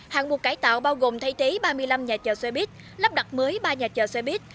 hạng mục cải tạo bao gồm thay thế ba mươi năm nhà chờ xe buýt lắp đặt mới ba nhà chờ xe buýt